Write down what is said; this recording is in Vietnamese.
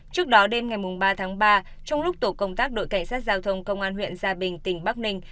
trước đó đêm ngày ba tháng ba trong lúc tổ công tác đội cảnh sát giao thông công an huyện gia bình tỉnh bắc ninh